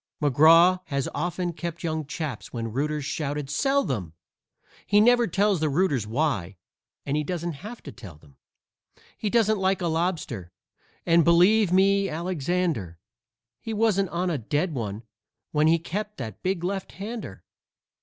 McGraw has often kept young chaps when rooters shouted "Sell them!" He never tells the rooters why, and doesn't have to tell them. He doesn't like a lobster, and, believe me, Alexander, He wasn't on a dead one when he kept that big left hander.